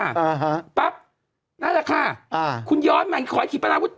อ่าฮะปั๊บนั่นแหละค่ะอ่าคุณย้อนแม่งขอยกีปราณาวุธ